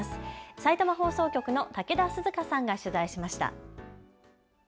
さいたま放送局の武田涼花さんが取材しました。